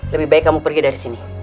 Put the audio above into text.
lebih baik kamu pergi dari sini